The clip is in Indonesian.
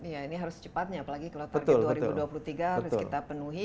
iya ini harus secepatnya apalagi kalau target dua ribu dua puluh tiga harus kita penuhi